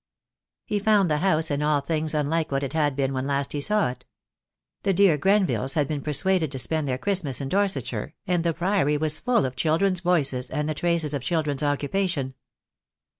He found the house in all things unlike what it had been when last he saw it. The dear Grenvilles had been persuaded to spend their Christmas in Dorsetshire, and the Priory was full of children's voices, and the traces of children's occupation.